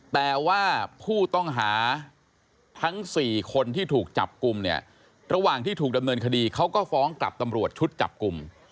แต่ว่าผู้ต้องหาทั้ง๔คนที่ถูกจับกลุ่มเนี่ยระหว่างที่ถูกดำเนินคดีเขาก็ฟ้องกลับตำรวจชุดจับกลุ่ม